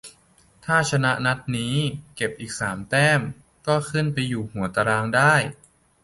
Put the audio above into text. ถ้าชนะนัดนี้ เก็บอีกสามแต้ม ก็ขึ้นไปอยู่หัวตารางได้